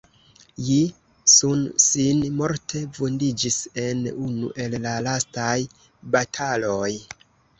Ji Sun-sin morte vundiĝis en unu el la lastaj bataloj.